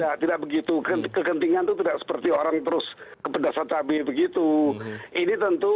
ya tidak begitu kegentingan itu tidak seperti orang terus kepedasan cabai begitu ini tentu